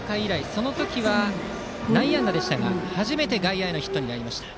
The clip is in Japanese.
その時は内野安打でしたが初めて外野へのヒットになりました。